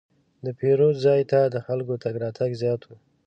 د پیرود ځای ته د خلکو تګ راتګ زیات و.